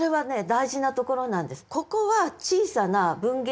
大事なところなんです。